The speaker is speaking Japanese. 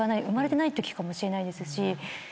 生まれてないときかもしれないですし。